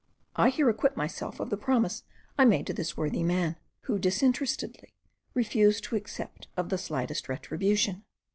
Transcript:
I here acquit myself of the promise I made to this worthy man, who disinterestedly refused to accept of the slightest retribution.